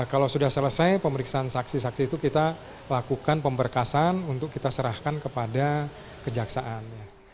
kita lakukan pemberkasan untuk kita serahkan kepada kejaksaan